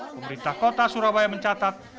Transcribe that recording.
pemerintah kota surabaya mencatat